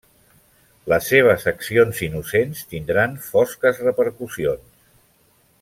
Les seves accions innocents tindran fosques repercussions.